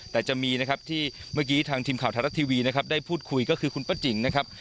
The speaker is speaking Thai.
แต่จะมีนะครับที่เมื่อกี้ทางทีมข่าวไทยรัฐทีวีนะครับได้พูดคุยก็คือคุณป้าจิ๋งนะครับ